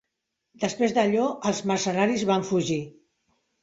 Després d'allò, els mercenaris van fugir.